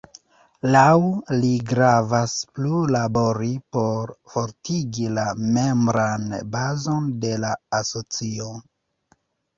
Laŭ li gravas plu labori por fortigi la membran bazon de la asocio.